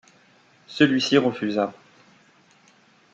Celui-ci refusa.